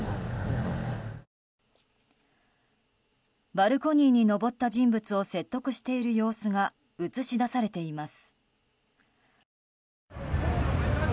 バルコニーに登った人物を説得している様子が映し出されています。